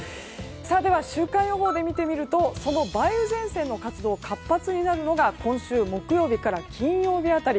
では、週間予報で見てみるとその梅雨前線の活動が活発になるのが今週木曜日から金曜日辺り。